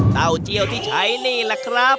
เต้าเจียวที่ใช้นี่แหละครับ